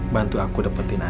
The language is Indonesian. bantu aku dapetin anak